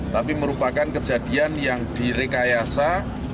tapi merupakan kejadian yang direkayasa